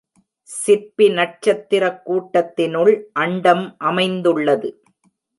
சிற்பி நட்சத்திரக் கூட்டத்தினுள் அண்டம் அமைந்துள்ளது.